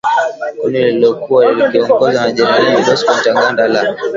kundi lililokuwa likiongozwa na jenerali Bosco Ntaganda la